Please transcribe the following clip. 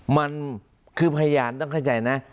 มันคือพยานต้องเข้าใจนะ